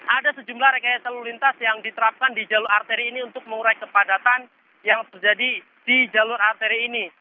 ada sejumlah rekayasa lalu lintas yang diterapkan di jalur arteri ini untuk mengurai kepadatan yang terjadi di jalur arteri ini